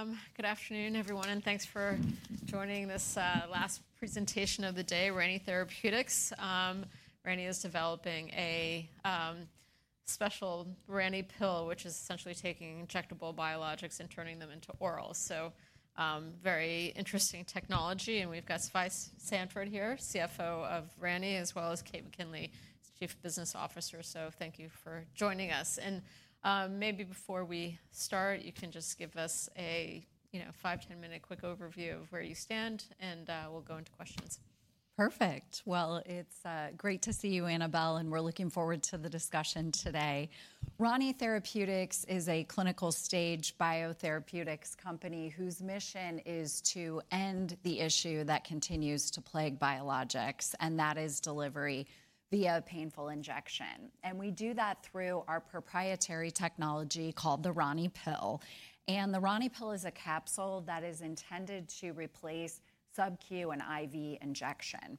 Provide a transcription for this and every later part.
Okay. Good afternoon, everyone, and thanks for joining this last presentation of the day. Rani Therapeutics. Rani is developing a special Rani pill, which is essentially taking injectable biologics and turning them into orals. So, very interesting technology. And we've got Svai Sanford here, CFO of Rani, as well as Kate McKinley, Chief Business Officer. So thank you for joining us. And maybe before we start, you can just give us a five-10 minute quick overview of where you stand, and we'll go into questions. Perfect. It's great to see you, Annabel, and we're looking forward to the discussion today. Rani Therapeutics is a clinical-stage biotherapeutics company whose mission is to end the issue that continues to plague biologics, and that is delivery via painful injection. We do that through our proprietary technology called the RaniPill. The RaniPill is a capsule that is intended to replace subcu and IV injection.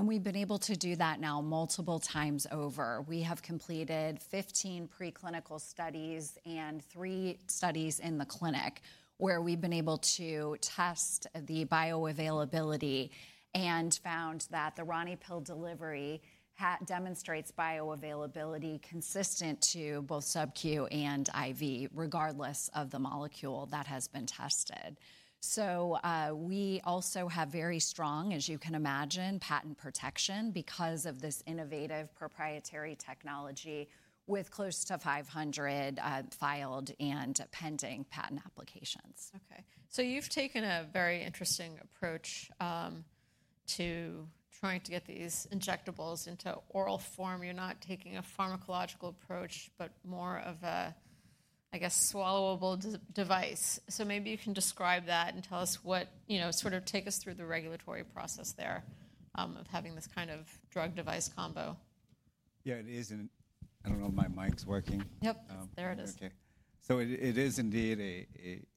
We've been able to do that now multiple times over. We have completed 15 preclinical studies and three studies in the clinic where we've been able to test the bioavailability and found that the RaniPill delivery demonstrates bioavailability consistent to both subcu and IV, regardless of the molecule that has been tested. So we also have very strong, as you can imagine, patent protection because of this innovative proprietary technology with close to 500 filed and pending patent applications. Okay, so you've taken a very interesting approach to trying to get these injectables into oral form. You're not taking a pharmacological approach, but more of a, I guess, swallowable device. So maybe you can describe that and tell us, sort of, take us through the regulatory process there of having this kind of drug-device combo? Yeah, it is in. I don't know if my mic's working. Yep, there it is. Okay. So it is indeed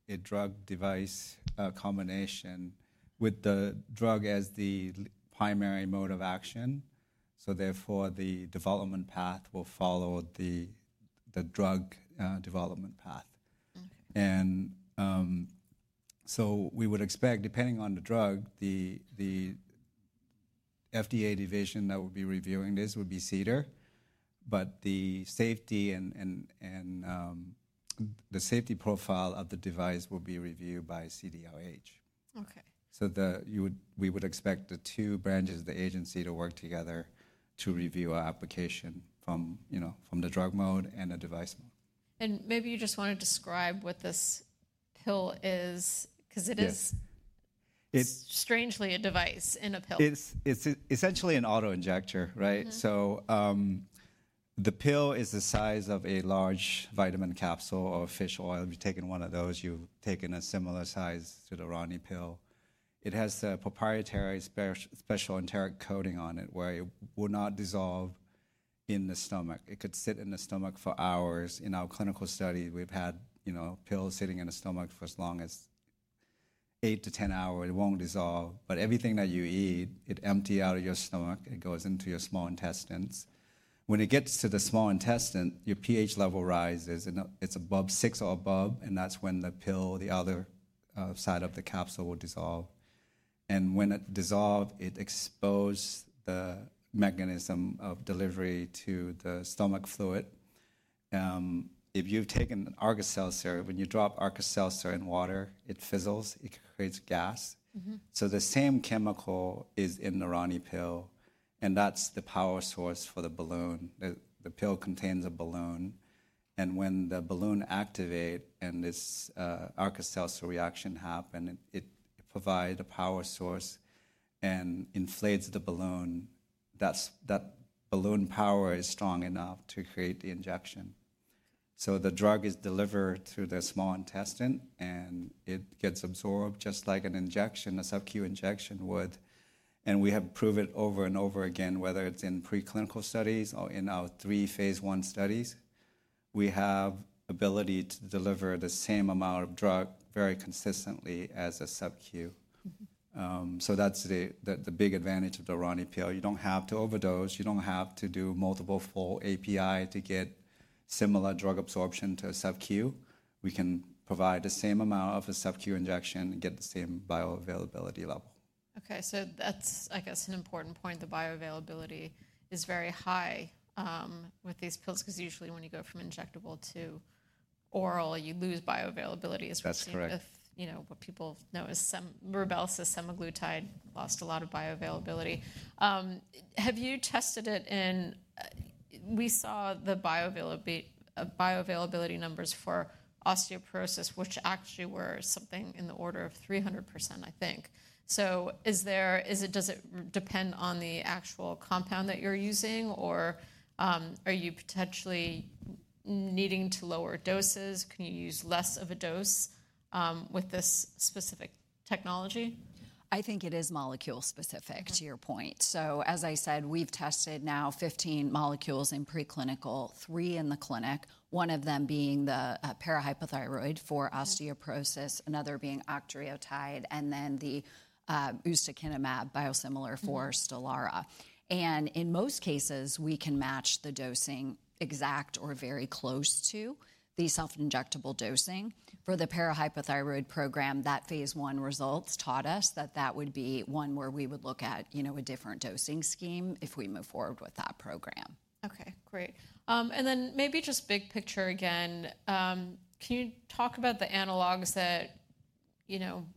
a drug-device combination with the drug as the primary mode of action. So therefore, the development path will follow the drug development path. And so we would expect, depending on the drug, the FDA division that will be reviewing this would be CDER, but the safety and the safety profile of the device will be reviewed by CDRH. Okay. We would expect the two branches of the agency to work together to review our application from the drug arm and the device arm. Maybe you just want to describe what this pill is because it is strangely a device and a pill. It's essentially an autoinjector, right? So the pill is the size of a large vitamin capsule or fish oil. If you've taken one of those, you've taken a similar size to the RaniPill. It has the proprietary special enteric coating on it where it will not dissolve in the stomach. It could sit in the stomach for hours. In our clinical studies, we've had pills sitting in the stomach for as long as eight to 10 hours. It won't dissolve. But everything that you eat, it empties out of your stomach. It goes into your small intestines. When it gets to the small intestine, your pH level rises. It's above six or above, and that's when the pill, the other side of the capsule, will dissolve. And when it dissolves, it exposes the mechanism of delivery to the stomach fluid. If you've taken Alka-Seltzer, when you drop Alka-Seltzer in water, it fizzles. It creates gas, so the same chemical is in the RaniPill, and that's the power source for the balloon. The pill contains a balloon, and when the balloon activates and this Alka-Seltzer reaction happens, it provides a power source and inflates the balloon. That balloon power is strong enough to create the injection. So the drug is delivered through the small intestine, and it gets absorbed just like a subcu injection would. And we have proved it over and over again, whether it's in preclinical studies or in our three phase one studies, we have the ability to deliver the same amount of drug very consistently as a subcu. So that's the big advantage of the RaniPill. You don't have to overdose. You don't have to do multiple full API to get similar drug absorption to a subcu. We can provide the same amount of a subcu injection and get the same bioavailability level. Okay. So that's, I guess, an important point. The bioavailability is very high with these pills because usually when you go from injectable to oral, you lose bioavailability, especially with what people know as Rybelsus (semaglutide), lost a lot of bioavailability. Have you tested it in? We saw the bioavailability numbers for osteoporosis, which actually were something in the order of 300%, I think. So does it depend on the actual compound that you're using, or are you potentially needing to lower doses? Can you use less of a dose with this specific technology? I think it is molecule specific, to your point, so as I said, we've tested now 15 molecules in preclinical, three in the clinic, one of them being the parathyroid for osteoporosis, another being octreotide, and then the ustekinumab biosimilar for Stelara, and in most cases, we can match the dosing exact or very close to the self-injectable dosing. For the parathyroid program, that phase one results taught us that that would be one where we would look at a different dosing scheme if we move forward with that program. Okay. Great. And then maybe just big picture again, can you talk about the analogs that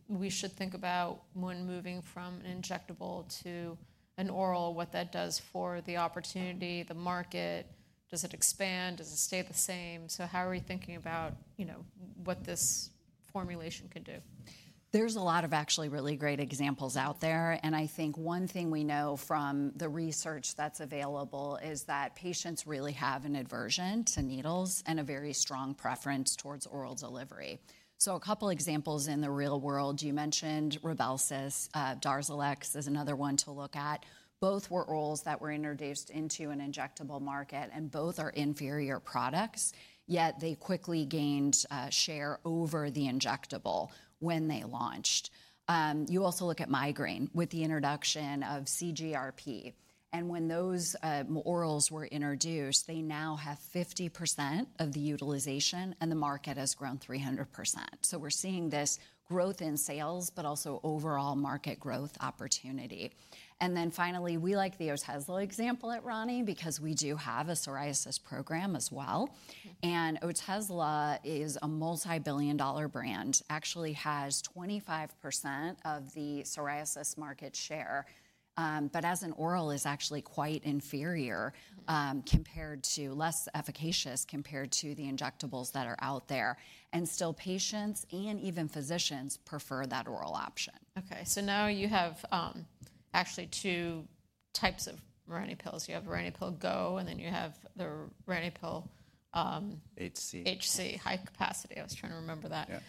we should think about when moving from an injectable to an oral, what that does for the opportunity, the market? Does it expand? Does it stay the same? So how are we thinking about what this formulation could do? There's a lot of actually really great examples out there. I think one thing we know from the research that's available is that patients really have an aversion to needles and a very strong preference towards oral delivery. A couple of examples in the real world, you mentioned Rybelsus. Darzalex is another one to look at. Both were orals that were introduced into an injectable market, and both are inferior products, yet they quickly gained share over the injectable when they launched. You also look at migraine with the introduction of CGRP. When those orals were introduced, they now have 50% of the utilization, and the market has grown 300%. We're seeing this growth in sales, but also overall market growth opportunity. Then finally, we like the Otezla example at Rani because we do have a psoriasis program as well. Otezla is a multi-billion-dollar brand, actually has 25% of the psoriasis market share, but as an oral, is actually quite inferior, less efficacious compared to the injectables that are out there. Still, patients and even physicians prefer that oral option. Okay. So now you have actually two types of RaniPill. You have RaniPill Go, and then you have the RaniPill. HC. HC, high capacity. I was trying to remember that.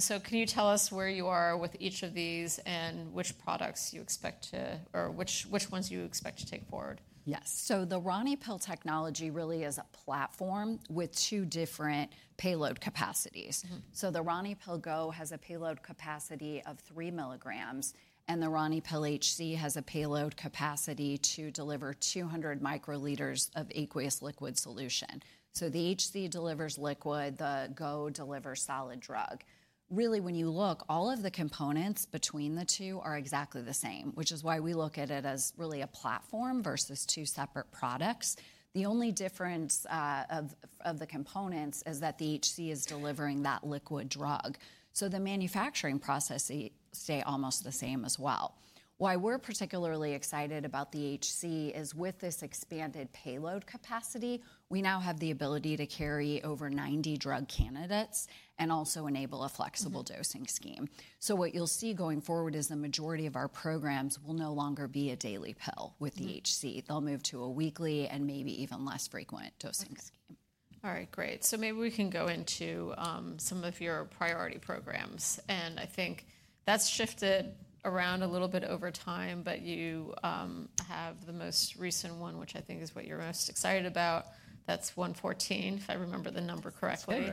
So can you tell us where you are with each of these and which products you expect to, or which ones you expect to take forward? Yes. The RaniPill technology really is a platform with two different payload capacities. The RaniPill Go has a payload capacity of three mg, and the RaniPill HC has a payload capacity to deliver 200 microliters of aqueous liquid solution. The HC delivers liquid. The Go delivers solid drug. Really, when you look, all of the components between the two are exactly the same, which is why we look at it as really a platform versus two separate products. The only difference of the components is that the HC is delivering that liquid drug. The manufacturing processes stay almost the same as well. Why we're particularly excited about the HC is with this expanded payload capacity, we now have the ability to carry over 90 drug candidates and also enable a flexible dosing scheme. So what you'll see going forward is the majority of our programs will no longer be a daily pill with the HC. They'll move to a weekly and maybe even less frequent dosing scheme. All right. Great. So maybe we can go into some of your priority programs. And I think that's shifted around a little bit over time, but you have the most recent one, which I think is what you're most excited about. That's 114, if I remember the number correctly.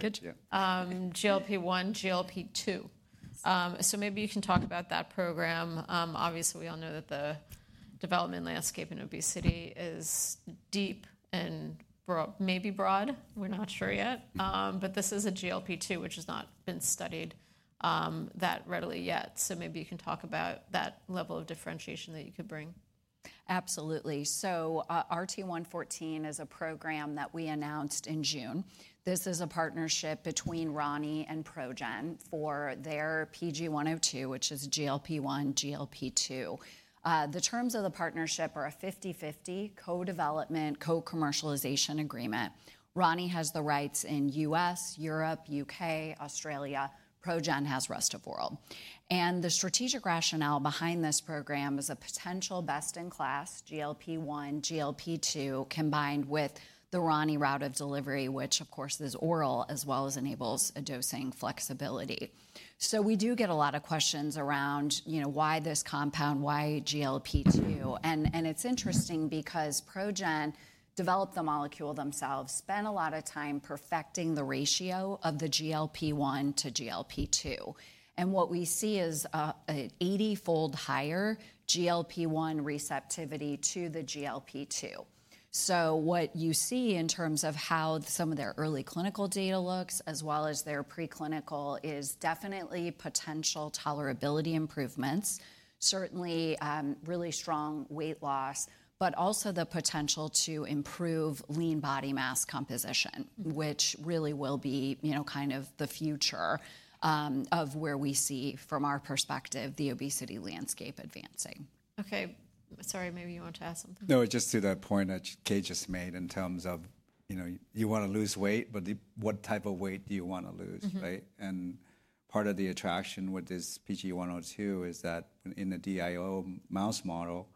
GLP-1/GLP-2. So maybe you can talk about that program. Obviously, we all know that the development landscape in obesity is deep and maybe broad. We're not sure yet. But this is a GLP-2, which has not been studied that readily yet. So maybe you can talk about that level of differentiation that you could bring. Absolutely. So RT-114 is a program that we announced in June. This is a partnership between Rani and ProGen for their PG-102, which is GLP-1/GLP-2. The terms of the partnership are a 50/50 co-development, co-commercialization agreement. Rani has the rights in U.S., Europe, U.K., Australia. ProGen has rest of world. And the strategic rationale behind this program is a potential best-in-class GLP-1/GLP-2 combined with the Rani route of delivery, which, of course, is oral, as well as enables a dosing flexibility. So we do get a lot of questions around why this compound, why GLP-2. And it's interesting because ProGen developed the molecule themselves, spent a lot of time perfecting the ratio of the GLP-1 to GLP-2. And what we see is an 80-fold higher GLP-1 receptivity to the GLP-2. What you see in terms of how some of their early clinical data looks, as well as their preclinical, is definitely potential tolerability improvements, certainly really strong weight loss, but also the potential to improve lean body mass composition, which really will be kind of the future of where we see, from our perspective, the obesity landscape advancing. Okay. Sorry, maybe you want to add something. No, just to that point that Kate just made in terms of you want to lose weight, but what type of weight do you want to lose, right? And part of the attraction with this PG-102 is that in the DIO mouse model,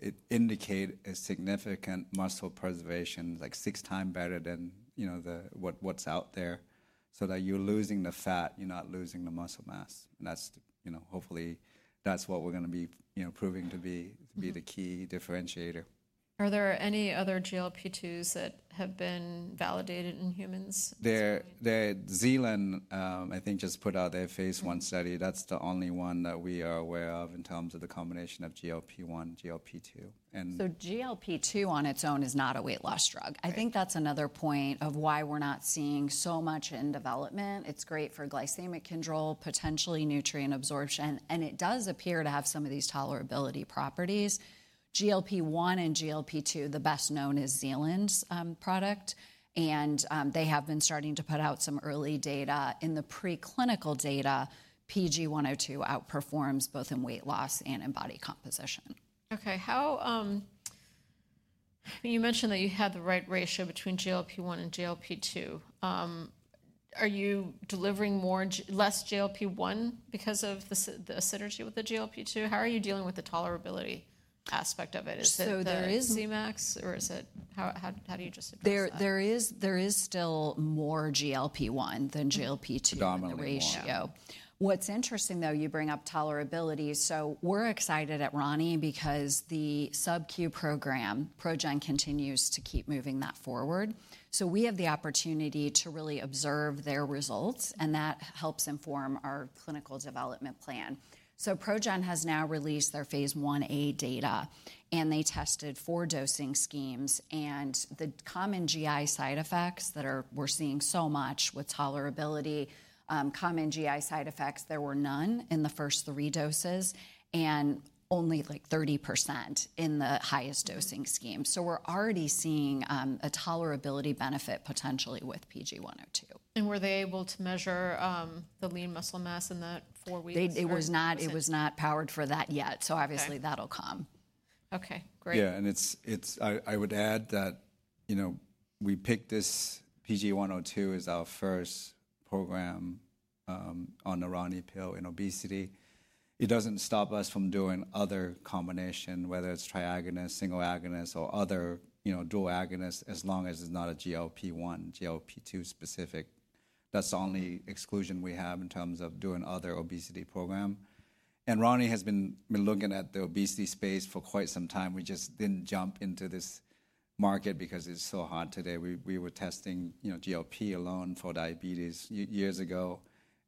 it indicates a significant muscle preservation, like six times better than what's out there. So that you're losing the fat, you're not losing the muscle mass. And hopefully, that's what we're going to be proving to be the key differentiator. Are there any other GLP-2s that have been validated in humans? Zealand, I think, just put out their phase I study. That's the only one that we are aware of in terms of the combination of GLP-1/GLP-2. So GLP-2 on its own is not a weight loss drug. I think that's another point of why we're not seeing so much in development. It's great for glycemic control, potentially nutrient absorption, and it does appear to have some of these tolerability properties. GLP-1 and GLP-2, the best known is Zealand's product. And they have been starting to put out some early data. In the preclinical data, PG-102 outperforms both in weight loss and in body composition. Okay. You mentioned that you had the right ratio between GLP-1 and GLP-2. Are you delivering less GLP-1 because of the synergy with the GLP-2? How are you dealing with the tolerability aspect of it? Is it Cmax, or how do you just address that? There is still more GLP-1 than GLP-2 in the ratio. What's interesting, though, you bring up tolerability. So we're excited at Rani because the subcu program, ProGen continues to keep moving that forward. So we have the opportunity to really observe their results, and that helps inform our clinical development plan. So ProGen has now released their phase Ia data, and they tested four dosing schemes. And the common GI side effects that we're seeing so much with tolerability, there were none in the first three doses and only like 30% in the highest dosing scheme. So we're already seeing a tolerability benefit potentially with PG-102. Were they able to measure the lean muscle mass in that four weeks? It was not powered for that yet. So obviously, that'll come. Okay. Great. Yeah. And I would add that we picked this PG-102 as our first program on the Rani pill in obesity. It doesn't stop us from doing other combinations, whether it's triagonist, single agonist, or other dual agonist, as long as it's not a GLP-1/GLP-2 specific. That's the only exclusion we have in terms of doing other obesity programs. And Rani has been looking at the obesity space for quite some time. We just didn't jump into this market because it's so hot today. We were testing GLP alone for diabetes years ago.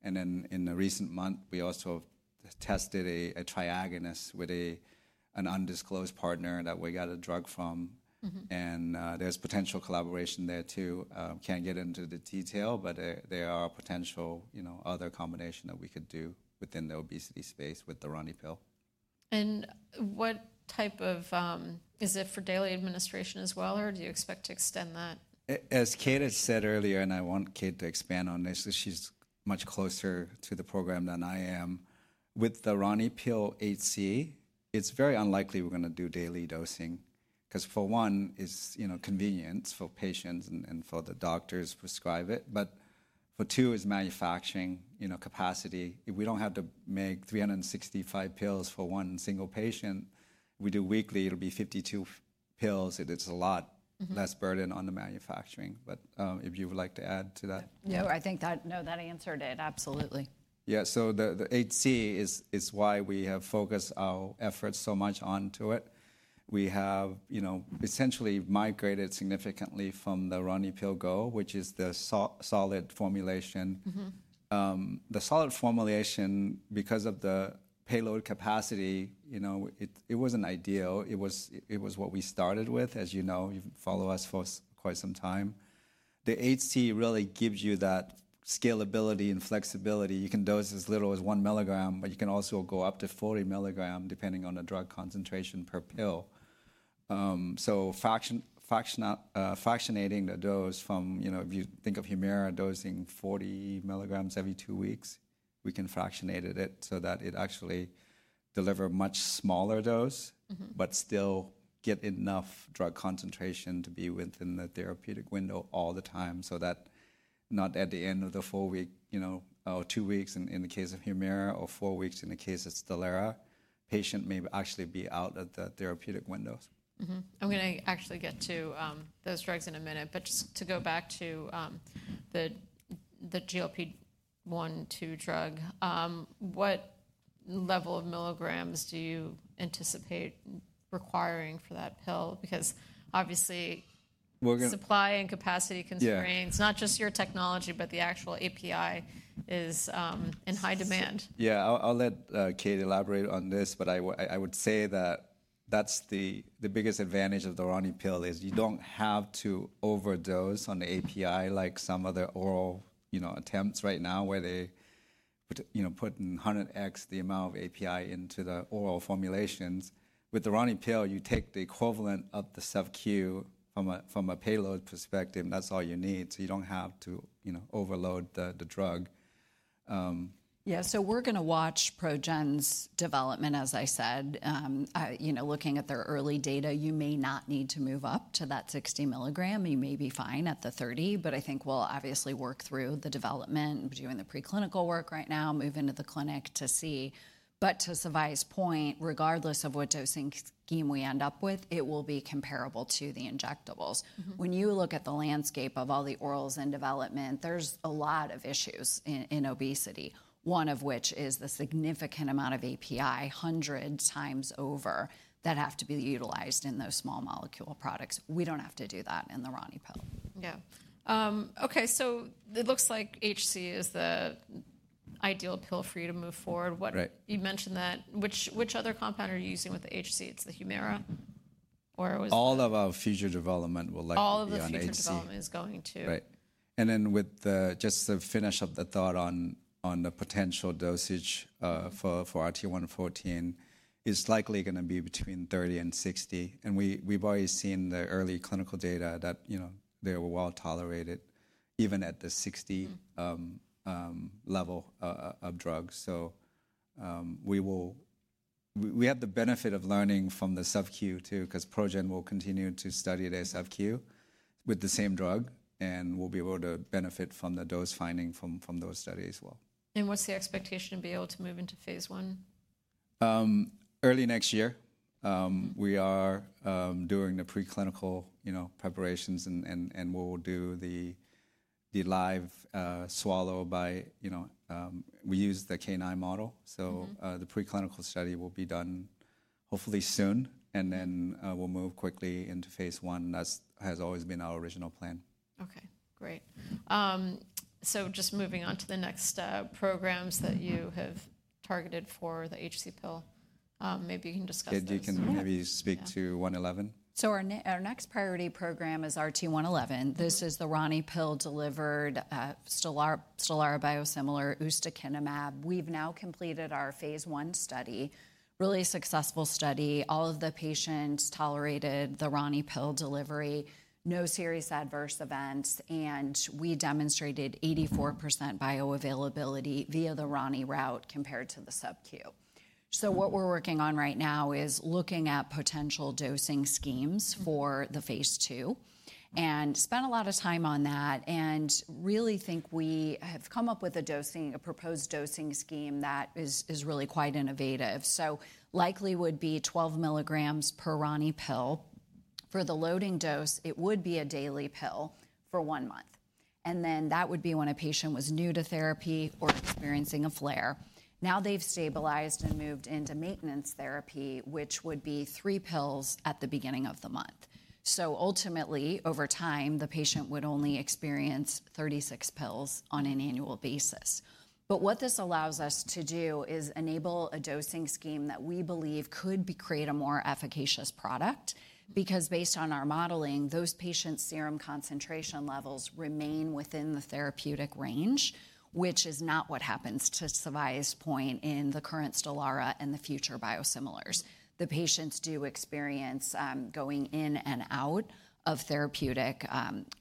And then in the recent month, we also tested a triagonist with an undisclosed partner that we got a drug from. And there's potential collaboration there too. Can't get into the detail, but there are potential other combinations that we could do within the obesity space with the Rani pill. What type is it for daily administration as well, or do you expect to extend that? As Kate had said earlier, and I want Kate to expand on this, she's much closer to the program than I am. With the RaniPill HC, it's very unlikely we're going to do daily dosing because for one, it's convenient for patients and for the doctors to prescribe it, but for two, it's manufacturing capacity. If we don't have to make 365 pills for one single patient, we do weekly, it'll be 52 pills. It's a lot less burden on the manufacturing, but if you would like to add to that. No, I think that answered it. Absolutely. Yeah. The HC is why we have focused our efforts so much onto it. We have essentially migrated significantly from the RaniPill Go, which is the solid formulation. The solid formulation, because of the payload capacity, it wasn't ideal. It was what we started with, as you know. You've followed us for quite some time. The HC really gives you that scalability and flexibility. You can dose as little as one milligram, but you can also go up to 40 milligrams depending on the drug concentration per pill. So, fractionating the dose from if you think of Humira dosing 40 milligrams every two weeks, we can fractionate it so that it actually delivers a much smaller dose, but still get enough drug concentration to be within the therapeutic window all the time so that not at the end of the four weeks or two weeks in the case of Humira or four weeks in the case of Stelara, patient may actually be out of the therapeutic windows. I'm going to actually get to those drugs in a minute. But just to go back to the GLP-1/2 drug, what level of milligrams do you anticipate requiring for that pill? Because obviously, supply and capacity constraints, not just your technology, but the actual API is in high demand. Yeah. I'll let Kate elaborate on this, but I would say that that's the biggest advantage of the RaniPill is you don't have to overdose on the API like some of the oral attempts right now where they put 100x the amount of API into the oral formulations. With the RaniPill, you take the equivalent of the subcu from a payload perspective, and that's all you need. So you don't have to overload the drug. Yeah. So we're going to watch ProGen's development, as I said. Looking at their early data, you may not need to move up to that 60 mg. You may be fine at the 30, but I think we'll obviously work through the development, doing the preclinical work right now, move into the clinic to see. But to Svai's point, regardless of what dosing scheme we end up with, it will be comparable to the injectables. When you look at the landscape of all the orals in development, there's a lot of issues in obesity, one of which is the significant amount of API, hundreds times over, that have to be utilized in those small molecule products. We don't have to do that in the Rani pill. Yeah. Okay. So it looks like HC is the ideal pill for you to move forward. You mentioned that. Which other compound are you using with the HC? It's the Humira, or was it? All of our future development will likely be on HC. All of the future development is going to. Right. And then just to finish up the thought on the potential dosage for RT-114, it's likely going to be between 30 and 60. And we've already seen the early clinical data that they were well tolerated, even at the 60 level of drug. So we have the benefit of learning from the subcu too because ProGen will continue to study their subcu with the same drug, and we'll be able to benefit from the dose finding from those studies as well. What's the expectation to be able to move into phase I? Early next year. We are doing the preclinical preparations, and we'll do the live swallow study where we use the canine model. So the preclinical study will be done hopefully soon, and then we'll move quickly into phase I. That has always been our original plan. Okay. Great. So just moving on to the next programs that you have targeted for the HC pill, maybe you can discuss those for me. Kate, you can maybe speak to 111. Our next priority program is RT-111. This is the RaniPill delivered, Stelara biosimilar, ustekinumab. We've now completed our phase I study, really successful study. All of the patients tolerated the RaniPill delivery, no serious adverse events, and we demonstrated 84% bioavailability via the RaniPill route compared to the subcu. What we're working on right now is looking at potential dosing schemes for the phase II and spent a lot of time on that and really think we have come up with a proposed dosing scheme that is really quite innovative. Likely would be 12 mg per RaniPill. For the loading dose, it would be a daily pill for one month. And then that would be when a patient was new to therapy or experiencing a flare. Now they've stabilized and moved into maintenance therapy, which would be three pills at the beginning of the month. So ultimately, over time, the patient would only experience 36 pills on an annual basis. But what this allows us to do is enable a dosing scheme that we believe could create a more efficacious product because based on our modeling, those patients' serum concentration levels remain within the therapeutic range, which is not what happens to Svai's point in the current Stelara and the future biosimilars. The patients do experience going in and out of therapeutic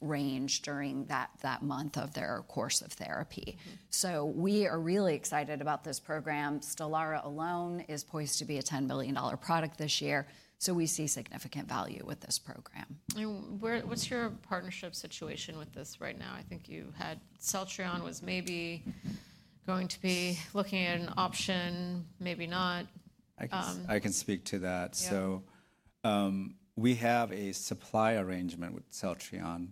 range during that month of their course of therapy. So we are really excited about this program. Stelara alone is poised to be a $10 billion product this year. So we see significant value with this program. What's your partnership situation with this right now? I think you had Celltrion was maybe going to be looking at an option, maybe not. I can speak to that. We have a supply arrangement with Celltrion.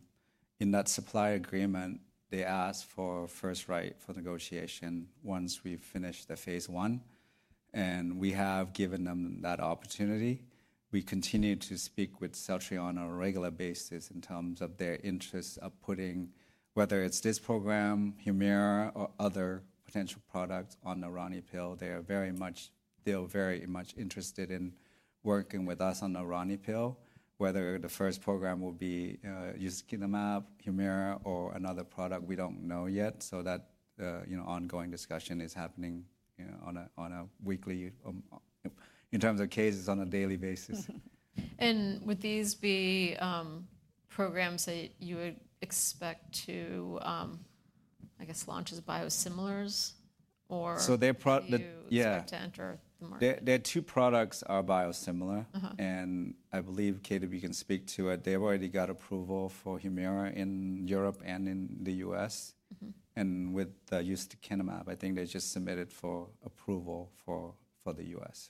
In that supply agreement, they ask for first right for negotiation once we finish the phase I, and we have given them that opportunity. We continue to speak with Celltrion on a regular basis in terms of their interest in putting, whether it's this program, Humira, or other potential products on the RaniPill. They're very much interested in working with us on the RaniPill, whether the first program will be ustekinumab, Humira, or another product. We don't know yet. That ongoing discussion is happening on a weekly basis. In some cases on a daily basis. Would these be programs that you would expect to, I guess, launch as biosimilars or new to enter the market? Their two products are biosimilar. I believe, Kate, if you can speak to it, they've already got approval for Humira in Europe and in the US. With the Ustekinumab, I think they just submitted for approval for the US.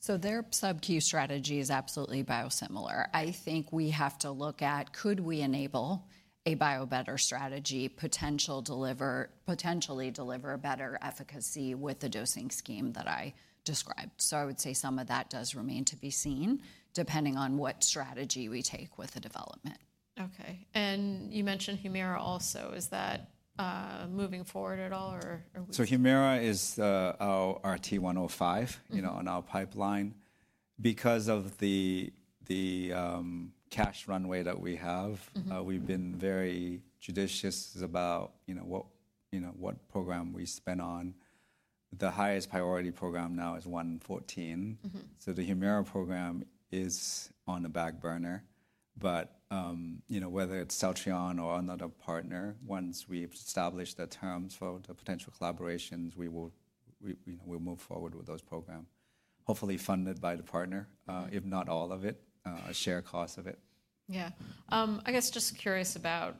So their subcu strategy is absolutely biosimilar. I think we have to look at could we enable a biobetter strategy, potentially deliver better efficacy with the dosing scheme that I described. So I would say some of that does remain to be seen depending on what strategy we take with the development. Okay. And you mentioned Humira also. Is that moving forward at all or? So Humira is our RT-105 on our pipeline. Because of the cash runway that we have, we've been very judicious about what program we spend on. The highest priority program now is 114. So the Humira program is on the back burner. But whether it's Celltrion or another partner, once we've established the terms for the potential collaborations, we will move forward with those programs, hopefully funded by the partner, if not all of it, a shared cost of it. Yeah. I guess just curious about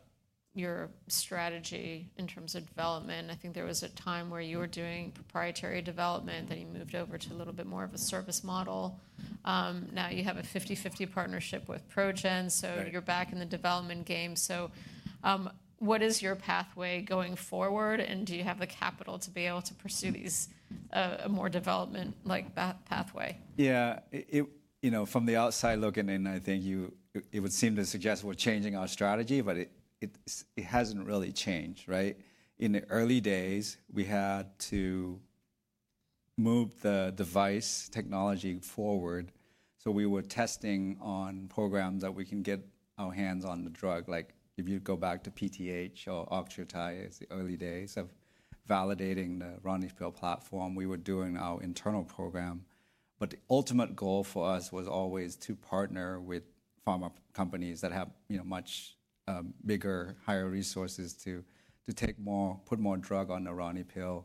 your strategy in terms of development. I think there was a time where you were doing proprietary development, then you moved over to a little bit more of a service model. Now you have a 50/50 partnership with ProGen. So you're back in the development game. So what is your pathway going forward, and do you have the capital to be able to pursue a more development pathway? Yeah. From the outside looking in, I think it would seem to suggest we're changing our strategy, but it hasn't really changed, right? In the early days, we had to move the device technology forward. So we were testing on programs that we can get our hands on the drug. Like if you go back to PTH or Octreotide, it's the early days of validating the RaniPill platform. We were doing our internal program. But the ultimate goal for us was always to partner with pharma companies that have much bigger, higher resources to put more drug on the RaniPill.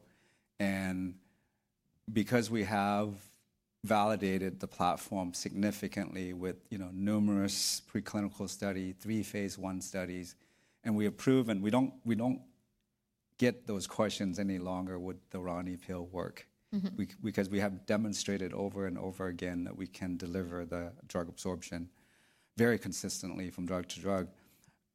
Because we have validated the platform significantly with numerous preclinical studies, three phase one studies, and we have proven we don't get those questions any longer with the RaniPill work because we have demonstrated over and over again that we can deliver the drug absorption very consistently from drug to drug.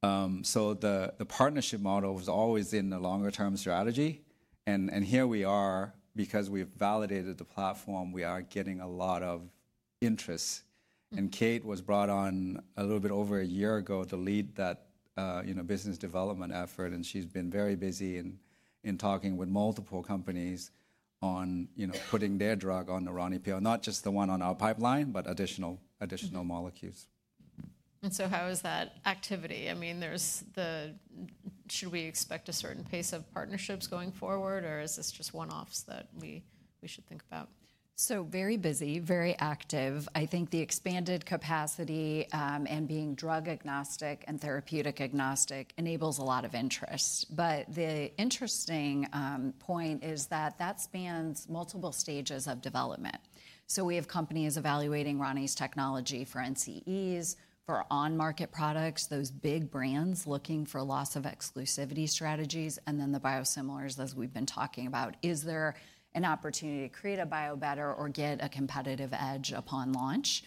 The partnership model was always in the longer-term strategy. Here we are, because we've validated the platform. We are getting a lot of interest. Kate was brought on a little bit over a year ago to lead that business development effort, and she's been very busy in talking with multiple companies on putting their drug on the RaniPill, not just the one on our pipeline, but additional molecules. And so how is that activity? I mean, should we expect a certain pace of partnerships going forward, or is this just one-offs that we should think about? Very busy, very active. I think the expanded capacity and being drug agnostic and therapeutic agnostic enables a lot of interest. But the interesting point is that that spans multiple stages of development. So we have companies evaluating Rani's technology for NCEs, for on-market products, those big brands looking for loss of exclusivity strategies, and then the biosimilars, as we've been talking about. Is there an opportunity to create a bio-better or get a competitive edge upon launch?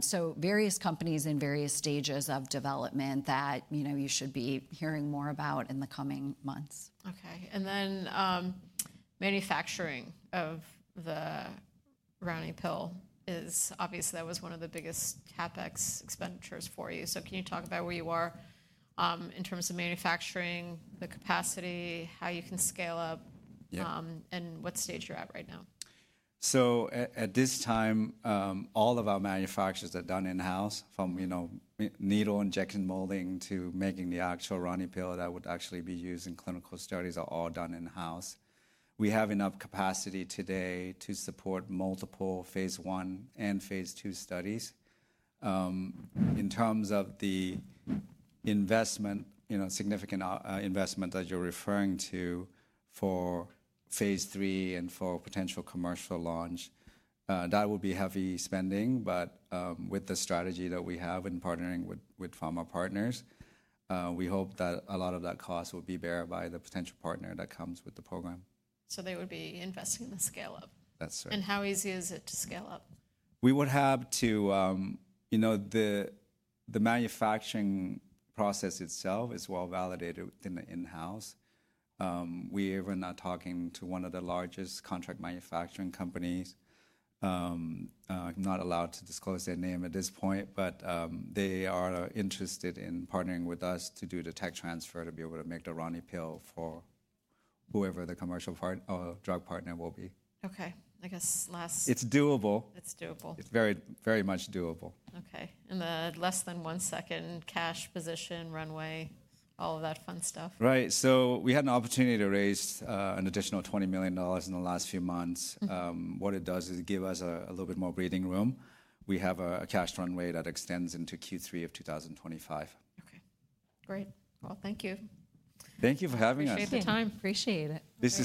So various companies in various stages of development that you should be hearing more about in the coming months. Okay. And then manufacturing of the RaniPill is obviously that was one of the biggest CapEx expenditures for you. So can you talk about where you are in terms of manufacturing, the capacity, how you can scale up, and what stage you're at right now? At this time, all of our manufacturing is done in-house, from needle injection molding to making the actual RaniPill that would actually be used in clinical studies are all done in-house. We have enough capacity today to support multiple phase I and phase II studies. In terms of the significant investment that you're referring to for phase III and for potential commercial launch, that would be heavy spending. But with the strategy that we have in partnering with pharma partners, we hope that a lot of that cost will be borne by the potential partner that comes with the program. So they would be investing in the scale-up. That's right. How easy is it to scale up? We would have to say the manufacturing process itself is well validated in-house. We are now talking to one of the largest contract manufacturing companies. I'm not allowed to disclose their name at this point, but they are interested in partnering with us to do the tech transfer to be able to make the RaniPill for whoever the commercial drug partner will be. Okay. I guess last. It's doable. It's doable. It's very much doable. Okay. And the less than one second cash position runway, all of that fun stuff. Right. So we had an opportunity to raise an additional $20 million in the last few months. What it does is give us a little bit more breathing room. We have a cash runway that extends into Q3 of 2025. Okay. Great. Well, thank you. Thank you for having us. Appreciate the time. Appreciate it. This is